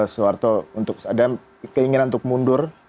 suharto ada keinginan untuk mundur